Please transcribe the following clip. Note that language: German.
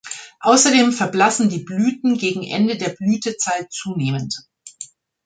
Außerdem verblassen die Blüten gegen Ende der Blütezeit zunehmend.